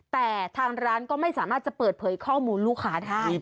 แต่ทางร้านก็ไม่สามารถจะเปิดเผยข้อมูลลูกค้าได้